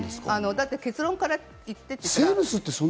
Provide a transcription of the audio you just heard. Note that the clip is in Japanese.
だって結論から言ってて。